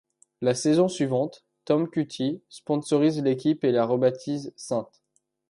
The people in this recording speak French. La saison suivante, Tom Kutis sponsorise l'équipe et la rebaptise St.